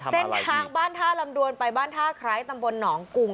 เส้นทางบ้านท่าลำดวนไปบ้านท่าไคร้ตำบลหนองกุง